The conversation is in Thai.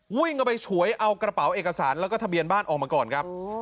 วิ่งเข้าไปฉวยเอากระเป๋าเอกสารแล้วก็ทะเบียนบ้านออกมาก่อนครับ